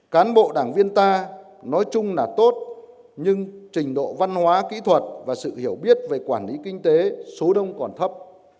cán bộ đảng viên ta nói chung là tốt nhưng trình độ văn hóa kỹ thuật và sự hiểu biết về quản lý kinh tế số đông còn thấp